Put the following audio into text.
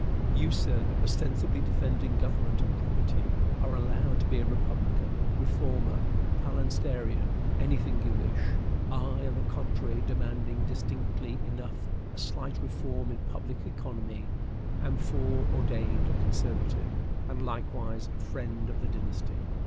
You, sir, ostensibly defending government and property, are allowed to be a republican, reformer, phalansterian, any thing you wish; I, on the contrary, demanding distinctly enough a slight reform in public economy, am foreordained a conservative, and likewise a friend of the dynasty.